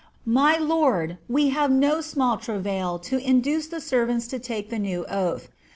My lord, we hare no small travail to induce the servants to take the new oath.